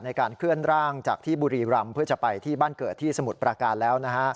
ในการเคลื่อนร่างจากที่บุรีรำเพื่อจะไปที่บ้านเกิดที่สมุทรประการแล้วนะฮะ